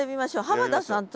濱田さん！